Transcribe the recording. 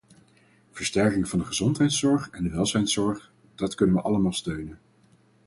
Versterking van de gezondheidszorg en de welzijnszorg, dat kunnen we allemaal steunen.